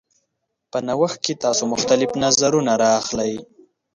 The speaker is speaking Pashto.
په نوښت کې تاسو مختلف نظرونه راخلئ.